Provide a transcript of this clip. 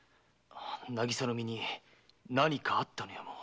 渚の身に何かあったのやも。